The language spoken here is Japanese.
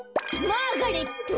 マーガレット。